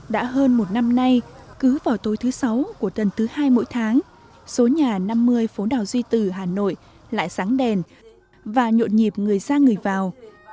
đã hơn một năm nay cứ vào tối thứ sáu của tuần thứ hai mỗi tháng số nhà năm mươi phố đào duy từ hà nội lại sáng đèn và nhộn nhịp người ra người vào